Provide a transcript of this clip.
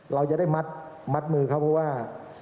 เราจะได้มัดมือเขาเพราะว่า